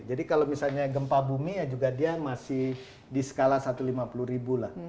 jadi kalau misalnya gempa bumi ya juga dia masih di skala satu ratus lima puluh ribu lah